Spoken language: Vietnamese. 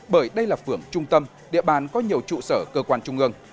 bởi đây là phường trung tâm địa bàn có nhiều trụ sở cơ quan trung ương